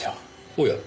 おや？